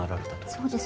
そうです。